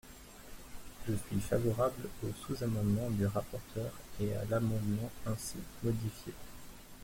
Je suis favorable au sous-amendement du rapporteur et à l’amendement ainsi modifié.